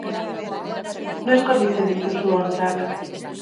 Noiz garbitzen dituzu hortzak?